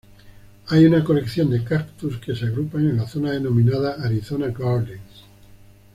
Hay una colección de cactus que se agrupan en la zona denominada "Arizona Gardens".